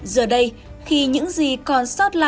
giờ đây khi những gì còn sót lại là không có gì nữa